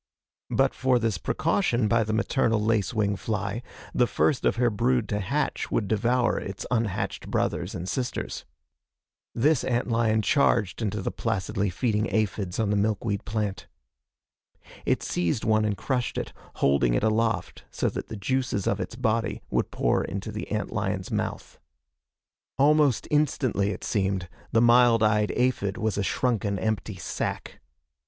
But for this precaution by the maternal lace wing fly, the first of her brood to hatch would devour its unhatched brothers and sisters. This ant lion charged into the placidly feeding aphids on the milkweed plant. It seized one and crushed it, holding it aloft so that the juices of its body would pour into the ant lion's mouth. Almost instantly, it seemed, the mild eyed aphid was a shrunken empty sack.